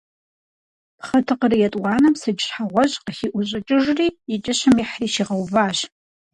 Пхъэтыкъыр етӀуанэм сыдж щхьэгъуэжь къыхиӀущӀыкӀыжри, и кӀыщым ихьри щигъэуващ.